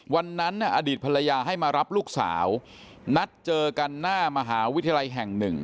วันนั้นอดีตภรรยาให้มารับลูกสาวนัดเจอกันหน้ามหาวิทยาลัยแห่งหนึ่ง